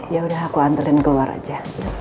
ya udah aku anterin keluar aja